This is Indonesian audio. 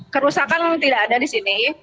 kerusakan tidak ada di sini